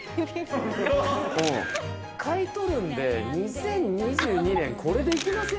買い取るんで２０２２年これでいきません？